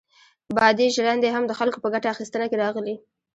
بادي ژرندې هم د خلکو په ګټه اخیستنه کې راغلې.